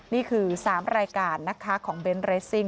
นี่คือ๓รายการนะคะของเบนท์เรสซิ่ง